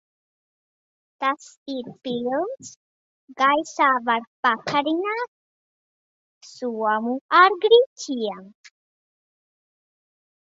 Tas ir pilns un gaisā var pakarināt somu ar griķiem.